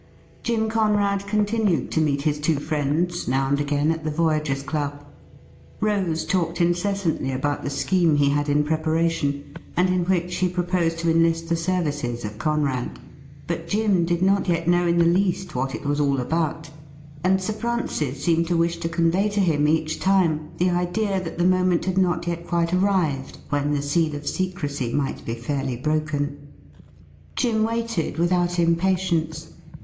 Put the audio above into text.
Jim Conrad continued to meet his two friends now and again at the Voyagers' Club. Rose talked incessantly about the scheme he had in pre paration, and in which he proposed to enlist the services of Conrad. But Jim did not yet know in the least what 'THAT LADY IS NOT NOW LIVING' 145 it was all about, and Sir Francis seemed to wish to convey to him each time the idea that the moment had not yet quite arrived when the seal of secrecy might be fairly broken. Jim waited without impatience.